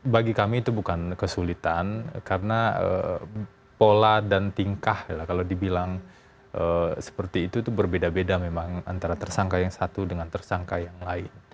bagi kami itu bukan kesulitan karena pola dan tingkah kalau dibilang seperti itu berbeda beda memang antara tersangka yang satu dengan tersangka yang lain